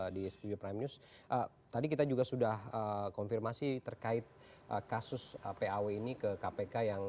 di studio prime news tadi kita juga sudah konfirmasi terkait kasus paw ini ke kpk yang